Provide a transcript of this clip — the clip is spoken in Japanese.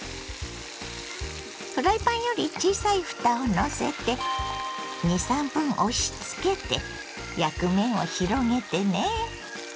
フライパンより小さいふたをのせて２３分押しつけて焼く面を広げてね。